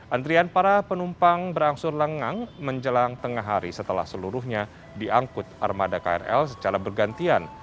antrian para penumpang berangsur lengang menjelang tengah hari setelah seluruhnya diangkut armada krl secara bergantian